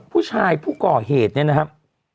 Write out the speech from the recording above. ผู้ชายผู้ก่อเหตุเนี่ยนะครับ